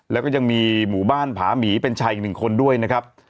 แล้วก็ยังมีหมู่บ้านผาหมีเป็นชายอีกหนึ่งคนด้วยนะครับ